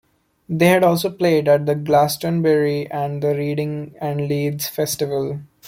They had also played at the Glastonbury and the Reading and Leeds Festivals.